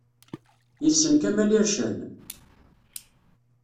Yessen Kamel Ircen?